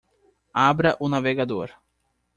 Abra o navegador.